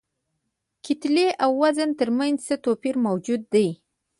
کتلې او وزن تر منځ څه توپیر موجود دی؟